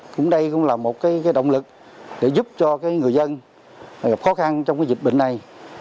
cũng đây cũng là một động lực để giúp cho người dân gặp khó khăn trong dịch bệnh này